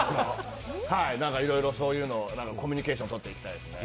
はい、いろいろそういうの、コミュニケーションとっていきたいですね。